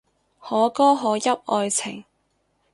可歌可泣愛情